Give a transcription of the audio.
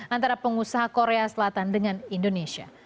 antara pengusaha korea selatan dengan indonesia